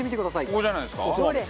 ここじゃないですか？